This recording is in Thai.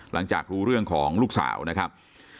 หลังจากรู้เรื่องของลูกสาวนะครับ